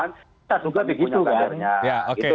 kita juga di punya kadernya